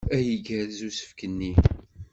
Ay igerrez usefk-nni!